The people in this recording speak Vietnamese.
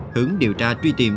hướng điều tra truy tìm